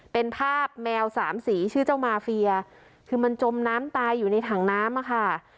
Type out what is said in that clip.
เป็นภาพแมวสามสีชื่อเจ้ามาเฟียคือมันจมน้ำตายอยู่ในถังน้ำอะค่ะ